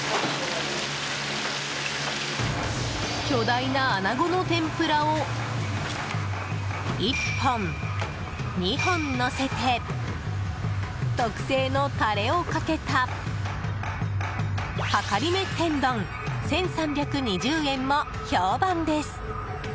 巨大なアナゴの天ぷらを１本、２本のせて特製のタレをかけたはかりめ天丼、１３２０円も評判です。